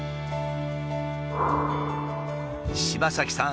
柴崎さん！